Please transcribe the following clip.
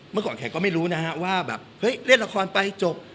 เมื่อก่อนแขกก็ไม่รู้นะฮะว่าแบบเฮ้ยเล่นละครไปจบ